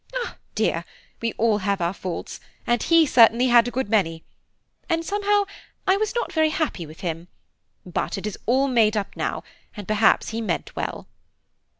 Eh, dear! we all have our faults, and he certainly had a good many. And somehow I was not very happy with him, but it is all made up to me now, and perhaps he meant well."